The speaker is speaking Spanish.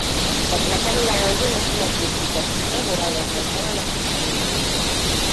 La placa de la orden es una cruz bizantina dorada esmaltada en azul cielo.